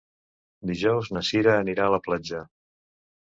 Dijous na Cira anirà a la platja.